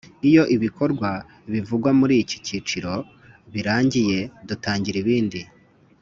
Iyo ibikorwa bivugwa muri iki cyiciro birangiye dutangira ibindi